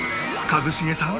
一茂さん